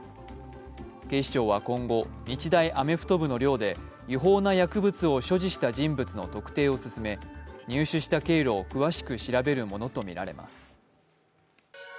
警視庁は今後、日大アメフト部の寮で違法な薬物を所持した人物の特定を進め、入手した経路を詳しく調べるものとみられます。